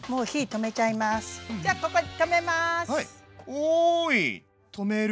おい止める。